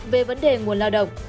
về vấn đề nguồn lao động